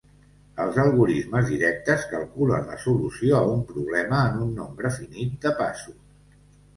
Els algorismes directes calculen la solució a un problema en un nombre finit de passos.